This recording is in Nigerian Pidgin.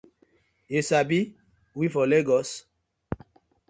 Yu sabi we for Legos?